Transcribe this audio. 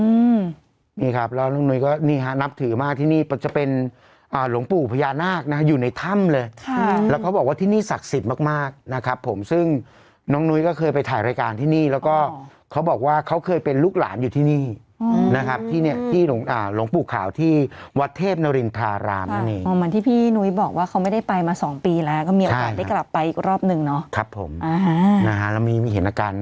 อืมนี่ครับแล้วน้องนุ้ยก็นี่ฮะนับถือมาที่นี่จะเป็นอ่าหลวงปู่พญานาคนะฮะอยู่ในถ้ำเลยค่ะแล้วเขาบอกว่าที่นี่ศักดิ์สิทธิ์มากมากนะครับผมซึ่งน้องนุ้ยก็เคยไปถ่ายรายการที่นี่แล้วก็เขาบอกว่าเขาเคยเป็นลูกหลานอยู่ที่นี่อ๋อนะครับที่เนี้ยที่หลวงอ่าหลวงปู่ขาวที่วัดเทพนรินทรารามนั่นเนี้ยค่ะ